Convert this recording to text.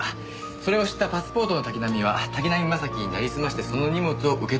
それを知ったパスポートの滝浪は滝浪正輝になりすましてその荷物を受け取ろうとしていた。